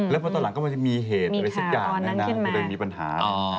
แล้วพอตอนหลังก็ไม่มีเหตุอะไรสักอย่างเลยนะไม่มีปัญหา